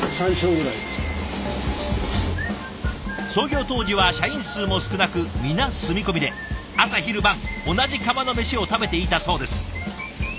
創業当時は社員数も少なく皆住み込みで朝昼晩同じ釜の飯を食べていたそうです。